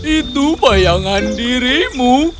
itu bayangan dirimu